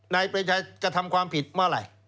นายเป็นใครกระทำความผิดเมื่อไหร่